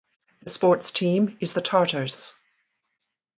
The sports team is the Tartars.